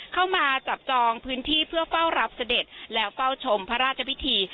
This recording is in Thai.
เข้ามาจับจองพื้นที่เพื่อเฝ้ารับเสด็จแล้วเฝ้าชมพระราชพิธี